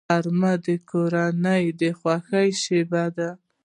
غرمه د کورنۍ د خوښۍ شیبه ده